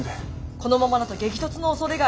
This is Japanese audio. このままだと激突のおそれがあります。